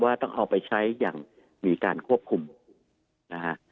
ต้องเอาไปใช้อย่างมีการควบคุมนะฮะ